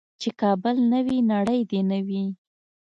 چې کابل نه وي نړۍ دې نه وي.